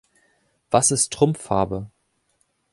Was ist Trumpffarbe?